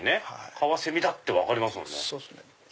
カワセミだって分かりますもんね。